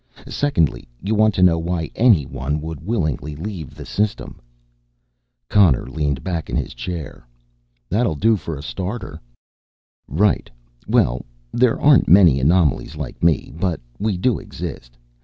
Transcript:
Secondly, you want to know why anyone would willingly leave the System." Connor leaned back in his chair. "That'll do for a starter." "Right. Well, there aren't many anomalies like me but we do exist.